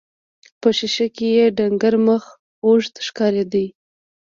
په ښيښه کې يې ډنګر مخ اوږد ښکارېده.